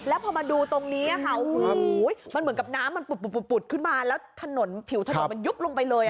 แล้วพอมาดูตรงนี้ค่ะโอ้โหมันเหมือนกับน้ำมันปุดขึ้นมาแล้วถนนผิวถนนมันยุบลงไปเลย